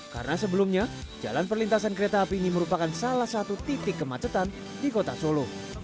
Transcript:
karena sebelumnya jalan perlintasan kereta api ini merupakan salah satu titik kemacetan di kota solo